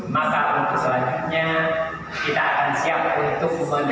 maka untuk selanjutnya kita akan siap untuk membantu